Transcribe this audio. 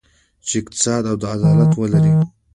چې اقتصاد او عدالت ولري.